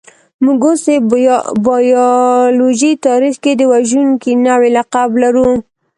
موږ اوس د بایولوژۍ تاریخ کې د وژونکي نوعې لقب لرو.